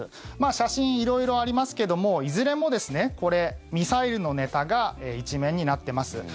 写真、色々ありますけどもいずれもミサイルのネタが１面になってます。